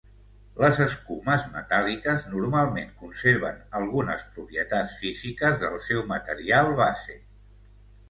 Les escumes metàl·liques normalment conserven algunes propietats físiques del seu material base.